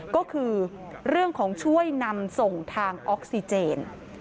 ก็คือเรื่องของช่วยนำส่งทางออกซิเจน